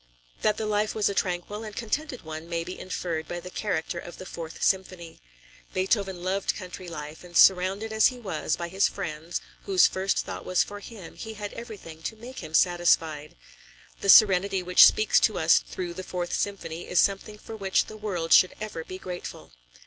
That the life was a tranquil and contented one may be inferred by the character of the Fourth Symphony. Beethoven loved country life, and surrounded as he was by his friends, whose first thought was for him, he had everything to make him satisfied. The serenity which speaks to us through the Fourth Symphony is something for which the world should ever be grateful.